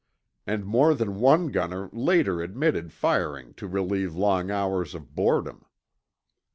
And more than one gunner later admitted firing to relieve long hours of boredom.